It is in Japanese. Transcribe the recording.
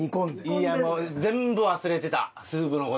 いやもう全部忘れてたスープの事。